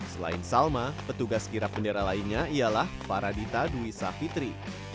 selain salma petugas kirap bendera lainnya ialah faradita duisa fitri